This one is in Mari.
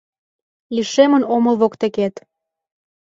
Лишемын омыл воктекет.